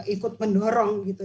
ikut mendorong gitu